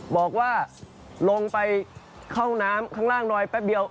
บอกว่าลงไปเข้าน้ำข้างล่างหน่อยแป๊บเดียว